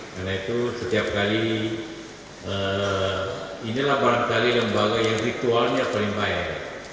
karena itu setiap kali inilah barangkali lembaga yang ritualnya paling baik